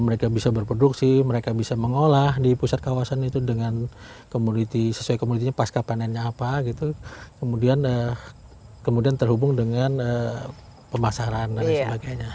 mereka bisa berproduksi mereka bisa mengolah di pusat kawasan itu dengan sesuai komoditinya pasca panennya apa gitu kemudian terhubung dengan pemasaran dan sebagainya